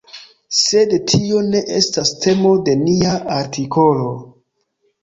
Sed tio ne estas temo de nia artikolo.